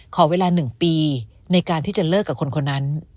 ขอเวลา๑ปีในการที่จะเลิกกับคนคนนั้น